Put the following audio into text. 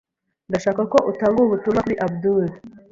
Ndashaka ko utanga ubu butumwa kuri Abdul.